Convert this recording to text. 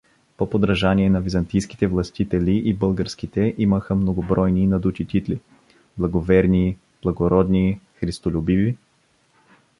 По подражание на византийските властители и българските имаха многобройни и надути титли:благоверний, благородний, христолюбиви?!